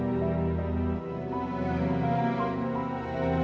mama gak mau berhenti